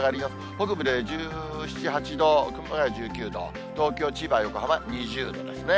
北部で１７、８度、熊谷１９度、東京、千葉、横浜２０度ですね。